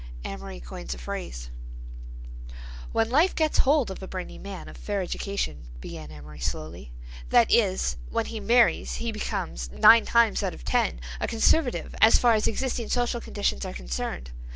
AMORY COINS A PHRASE "When life gets hold of a brainy man of fair education," began Amory slowly, "that is, when he marries he becomes, nine times out of ten, a conservative as far as existing social conditions are concerned.